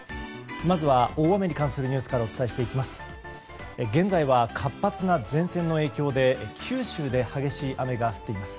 まずは大雨に関するニュースからお伝えしていきます。